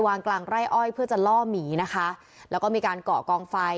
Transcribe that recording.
กลางไร่อ้อยเพื่อจะล่อหมีนะคะแล้วก็มีการเกาะกองไฟ